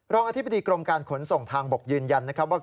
อธิบดีกรมการขนส่งทางบกยืนยันนะครับว่า